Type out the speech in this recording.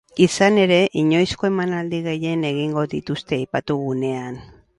Izan ere, inoizko emanaldi gehien egingo dituzte aipatu gunean.